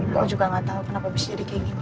kau juga gak tau kenapa bisa jadi kayak gini